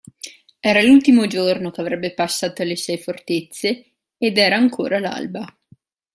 Era l'ultimo giorno che avrebbe passato alle Sei Fortezze, ed era ancora l'alba.